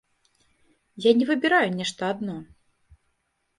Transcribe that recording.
Я не выбіраю нешта адно.